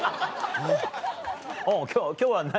今日は何？